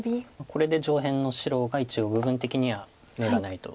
これで上辺の白が一応部分的には眼がないと。